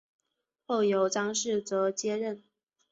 后由张世则接任。